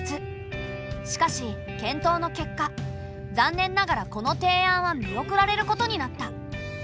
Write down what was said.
しかし検討の結果残念ながらこの提案は見送られることになった。